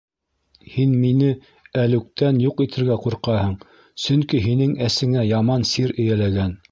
Һин мине әлүктән юҡ итергә ҡурҡаһың, сөнки һинең әсеңә яман сир эйәләгән.